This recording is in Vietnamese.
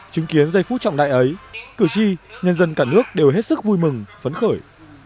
chứng kiến giây phút trọng đại ấy cử tri nhân dân cả nước đều hết sức vui mừng phấn khởi